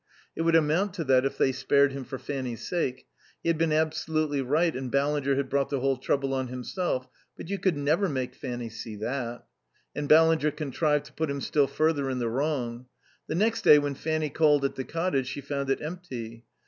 It would amount to that if they spared him for Fanny's sake. He had been absolutely right, and Ballinger had brought the whole trouble on himself; but you could never make Fanny see that. And Ballinger contrived to put him still further in the wrong. The next day when Fanny called at the cottage she found it empty.